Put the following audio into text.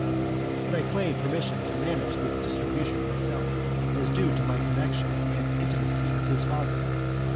But I claim permission to manage this distribution myself, as due to my connexion and intimacy with his father.